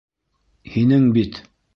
Һинең бит...